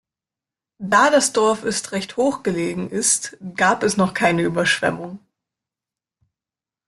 Da das Dorf ist recht hoch gelegen ist, gab es noch keine Überschwemmung.